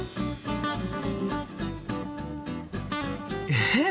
えっ！